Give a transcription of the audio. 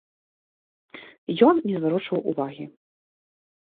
Ён не зварочваў увагі.